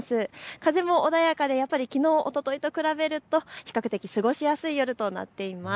風も穏やかでやっぱりきのう、おとといと比べると１桁より過ごしやすい夜となっています。